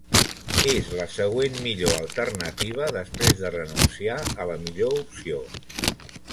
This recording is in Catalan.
És la "següent millor" alternativa després de renunciar a la millor opció.